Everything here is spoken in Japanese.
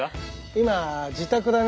今自宅だね。